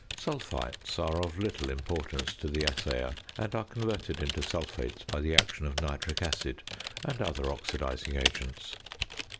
Sulphites are of little importance to the assayer, and are converted into sulphates by the action of nitric acid and other oxidising agents.